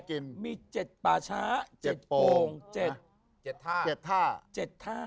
อ๋อโอเคมีเจ็ดป่าช้าเจ็ดโปรงเจ็ดท่า